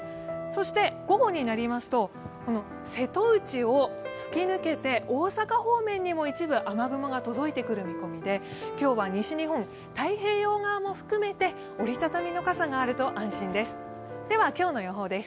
午後になりますと、瀬戸内を突き抜けて大阪方面にも一部、雨雲が届いてくる見込みで今日は西日本、太平洋側も含めて折り畳みの傘があると安心です。